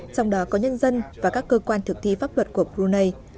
trong đó có nhân dân và các cơ quan thực thi pháp luật của brunei